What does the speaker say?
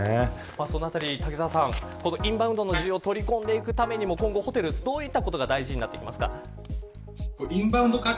そのあたり瀧澤さんインバウンドの需要を取り込んでいくためにも今後ホテルはどういうことが大事になってきますか。